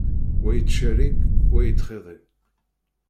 Wa yettcerrig, wa yettxiḍi.